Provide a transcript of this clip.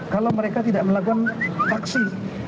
kalau mereka tidak melakukan taksi